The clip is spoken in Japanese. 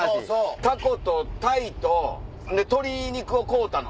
タコと鯛と鶏肉を買うたの。